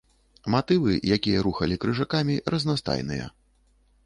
Матывы, якія рухалі крыжакамі, разнастайныя.